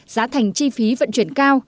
giá thành chi phí vận chuyển cao